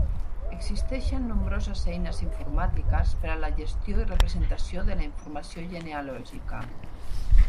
Existeixen nombroses eines informàtiques per a la gestió i representació de la informació genealògica.